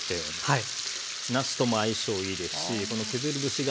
はい。